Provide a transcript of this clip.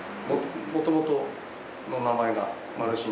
もともとの名前がまるしん